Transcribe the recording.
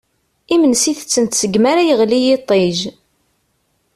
Imensi tetten-t seg mi ara yeɣli yiṭij.